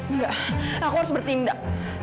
enggak aku harus bertindak